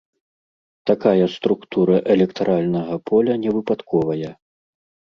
Такая структура электаральнага поля невыпадковая.